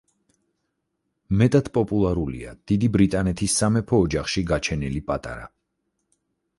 მეტად პოპულარულია, დიდი ბრიტანეთის სამეფო ოჯახში გაჩენილი პატარა.